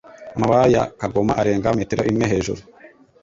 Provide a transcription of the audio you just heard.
Amababa ya kagoma arenga metero imwe hejuru.